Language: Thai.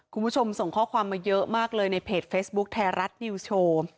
คุณผู้ชมส่งข้อความมาเยอะมากเลยในเพจเฟซบุ๊คไทยรัฐนิวโชว์